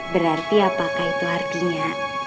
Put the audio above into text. berarti apakah itu artinya